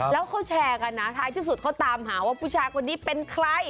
แล้วเขาแชร์กันนะท้ายที่สุดเขาตามหาว่าผู้ชายคนนี้เป็นใคร